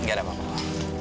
gak ada apa apa